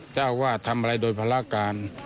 เจ้าว่าทำอะไรโดยภารการ